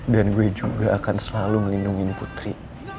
dan gue juga akan selalu melindungi putri